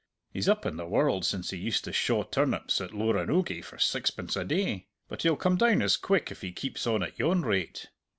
He's up in the world since he used to shaw turnips at Loranogie for sixpence a day! But he'll come down as quick if he keeps on at yon rate.